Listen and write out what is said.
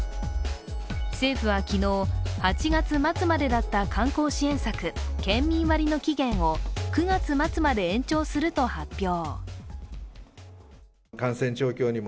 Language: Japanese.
政府は昨日、８月末までだった観光支援策、県民割の期限を９月末まで延長すると発表。